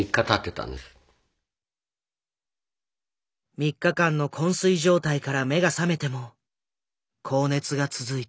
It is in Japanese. ３日間の昏睡状態から目が覚めても高熱が続いた。